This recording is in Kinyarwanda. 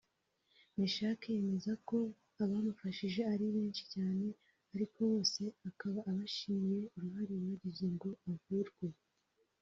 Meshak yemeza ko abamufashije ari benshi cyane ariko bose akaba abashimiye uruhare bagize ngo avurwe